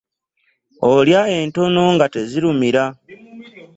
Olya entono nga tezirumira .